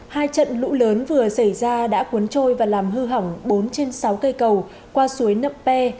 hai trận lũ lớn vừa xảy ra đã cuốn trôi và làm hư hỏng bốn trên sáu cây cầu qua suối nậm pe